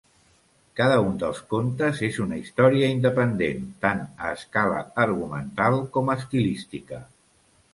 Cada un dels contes és una història independent, tant a escala argumental com estilística.